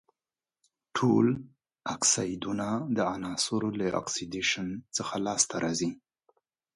ټول اکسایدونه د عناصرو له اکسیدیشن څخه لاس ته راځي.